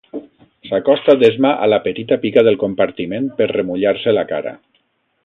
S'acosta d'esma a la petita pica del compartiment per remullar-se la cara.